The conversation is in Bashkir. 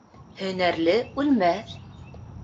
Һөнәрле үлмәҫ